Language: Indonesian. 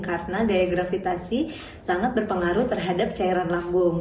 karena gaya gravitasi sangat berpengaruh terhadap cairan lambung